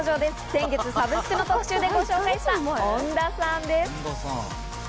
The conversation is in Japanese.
先月サブスクの特集でご紹介しました、恩田さんです。